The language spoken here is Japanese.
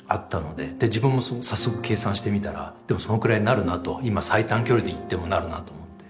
自分も早速計算してみたらそのくらいになるなと今最短距離でいってもなるなと思って。